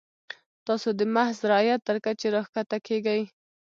تاسو د محض رعیت تر کچې راښکته کیږئ.